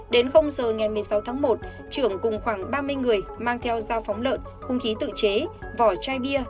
đến giờ ngày một mươi sáu tháng một trưởng cùng khoảng ba mươi người mang theo dao phóng lợn khung khí tự chế vỏ chai bia